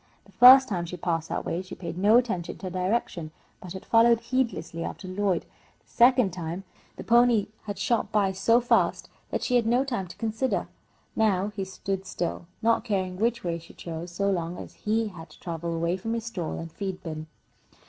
The first time she passed that way she had paid no attention to direction, but had followed heedlessly after Lloyd. The second time the pony had shot by so fast that she had had no time to consider. Now he stood still, not caring which way she chose so long as he had to travel away from his stall and feed bin.